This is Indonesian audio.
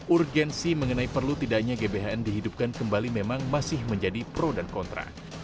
urgensi mengenai perlu tidaknya gbhn dihidupkan kembali memang masih menjadi pro dan kontra